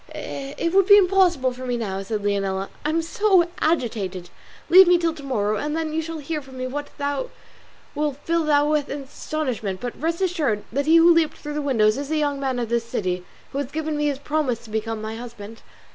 "It would be impossible for me now," said Leonela, "I am so agitated: leave me till to morrow, and then you shall hear from me what will fill you with astonishment; but rest assured that he who leaped through the window is a young man of this city, who has given me his promise to become my husband."